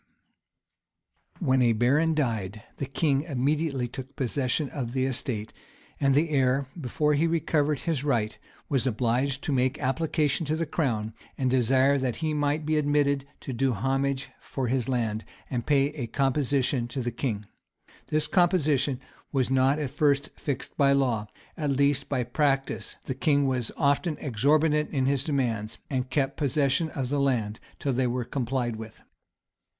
] When a baron died, the king immediately took possession of the estate; and the heir, before he recovered his right, was obliged to make application to the crown, and desire that he might be admitted to do homage for his land, and pay a composition to the king. This composition was not at first fixed by law, at least by practice: the king was often exorbitant in his demands, and kept possession of the land till they were complied with.